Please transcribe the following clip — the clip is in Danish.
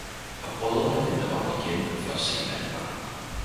Og brødrene vendte om igen for at se hvad det var.